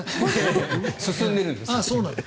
進んでるんです。